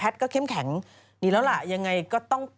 ก็เข้มแข็งดีแล้วล่ะยังไงก็ต้อง